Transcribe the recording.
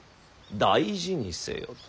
大事にせよと。